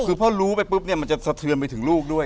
คือพอรู้ไปปุ๊บเนี่ยมันจะสะเทือนไปถึงลูกด้วย